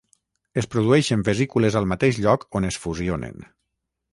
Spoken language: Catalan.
Es produeixen vesícules al mateix lloc on es fusionen.